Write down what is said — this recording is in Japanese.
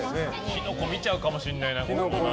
キノコ見ちゃうかもしれないな。